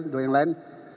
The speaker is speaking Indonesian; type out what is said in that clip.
dua yang lain